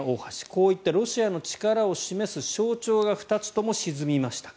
こういったロシアの力を示す象徴が２つとも沈みました。